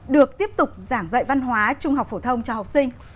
được tiếp tục giảng dạy văn hóa trung học phổ thông cho học sinh